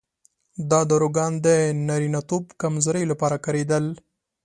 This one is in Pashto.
دا داروګان د نارینتوب کمزورۍ لپاره کارېدل.